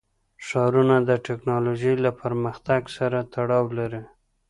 ښارونه د تکنالوژۍ له پرمختګ سره تړاو لري.